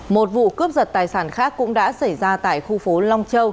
một vụ cướp giật tài sản khác cũng đã xảy ra tại khu phố long châu